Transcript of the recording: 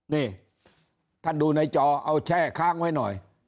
นี่ท่านดูในจอเอาแช่ค้างไว้หน่อย